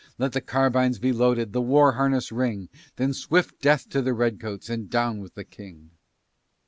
Let the carbines be loaded, the war harness ring, Then swift death to the Redcoats, and down with the King!"